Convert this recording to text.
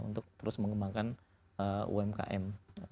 untuk terus mengembangkan umkm